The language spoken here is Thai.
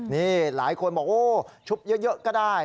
นี่หลายคนบอกโอ้ชุบเยอะก็ได้